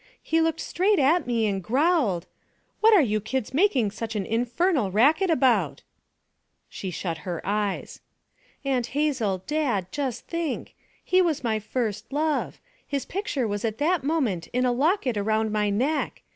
He looked straight at me and growled '"What are you kids making such an infernal racket about?"' She shut her eyes. 'Aunt Hazel, Dad, just think. He was my first love. His picture was at that moment in a locket around my neck.